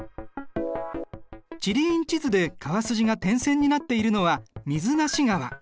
地理院地図で川筋が点線になっているのは水無川。